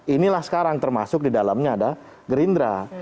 inilah sekarang termasuk di dalamnya ada gerindra